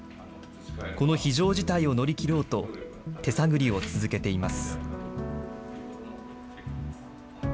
この非常事態を乗り切ろうと、手探りを続けています。